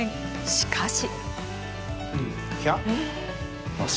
しかし。